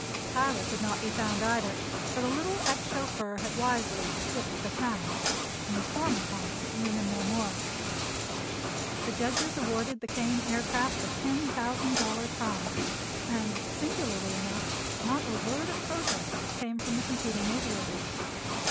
Tyler could not be found, either, for the little ex chauffeur had wisely "skipped the town" and his former haunts knew him no more. The judges awarded the Kane Aircraft the ten thousand dollar prize, and singularly enough not a word of protest came from the competing aviators.